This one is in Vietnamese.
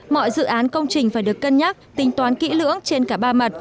mọi dự án công trình phải được cân nhắc tính toán kỹ lưỡng trên cả ba mặt